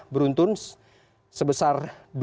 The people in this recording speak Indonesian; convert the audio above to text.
beruntun sebesar dua belas